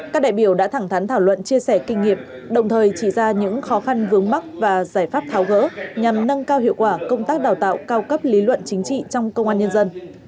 các đại biểu đã thẳng thắn thảo luận chia sẻ kinh nghiệm đồng thời chỉ ra những khó khăn vướng mắt và giải pháp tháo gỡ nhằm nâng cao hiệu quả công tác đào tạo cao cấp lý luận chính trị trong công an nhân dân